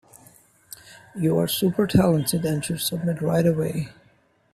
You are super talented and should submit right away.